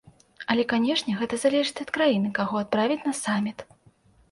Але канечне, гэта залежыць ад краіны, каго адправіць на саміт.